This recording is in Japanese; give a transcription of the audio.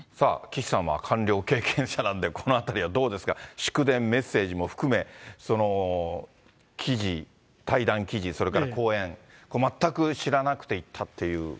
岸さんは官僚経験者なんで、このあたりはどうですか、祝電、メッセージも含め、記事、対談記事、それから講演、これ全く知らなくて行ったっていう。